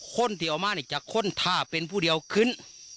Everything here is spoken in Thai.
คนที่ออกมานี่จะค้นท่าเป็นผู้เดียวขึ้น